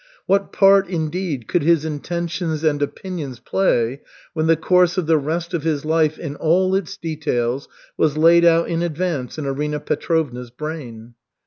What part, indeed, could his intentions and opinions play when the course of the rest of his life in all its details was laid out in advance in Arina Petrovna's brain?